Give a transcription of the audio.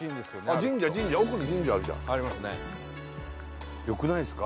神社神社奥に神社あるじゃんありますねよくないですか？